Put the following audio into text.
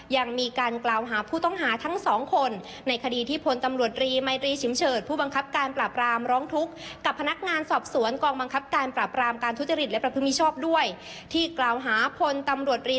ยังมีการกล่าวหาผู้ต้องหาทั้งสองคนในคดีที่พนตำรวจรี